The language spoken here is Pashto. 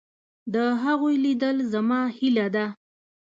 د هغوی لیدل زما هیله ده.